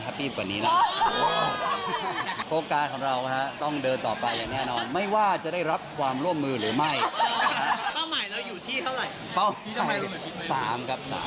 ตลอดบีบแทนสะกิดบ้างอะไรบ้างหยอดบ้างอะไรแบบนี้